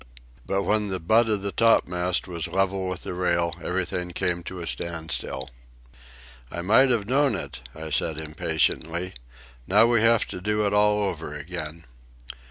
But when the butt of the topmast was level with the rail, everything came to a standstill. "I might have known it," I said impatiently. "Now we have to do it all over again."